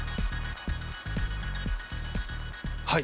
はい。